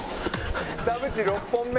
「田渕６本目？」